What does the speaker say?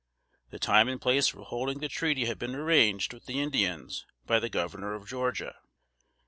The time and place for holding the treaty had been arranged with the Indians by the Governor of Georgia.